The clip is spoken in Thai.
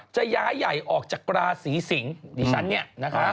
จะย้ายใหญ่ออกจากราศีสิงศ์ดิฉันเนี่ยนะคะ